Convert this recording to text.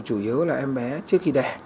chủ yếu là em bé trước khi đẻ